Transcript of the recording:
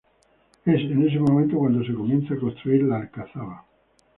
Es en ese momento cuando se comienza a construir la Alcazaba.